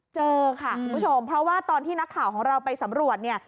เจอค่ะคุณผู้ชมเพราะว่าตอนที่นักข่าวของเราไปสำรวจเนี่ย